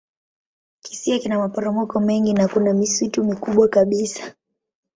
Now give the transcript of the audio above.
Kisiwa kina maporomoko mengi na kuna misitu mikubwa kabisa.